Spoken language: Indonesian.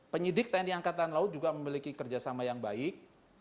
penyidik tni angkatan laut juga memiliki kerjasama yang baik